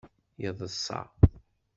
Yeḍṣa.